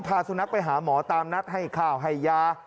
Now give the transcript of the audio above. พาสุนัขไปหาหมอตามนัดให้ข้าวให้ยา